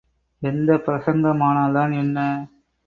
எந்தப் பிரசங்கமானால் தான் என்ன?